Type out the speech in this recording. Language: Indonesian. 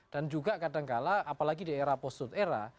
dan juga kadang kadang apalagi di era post truth era